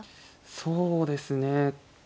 そうですね。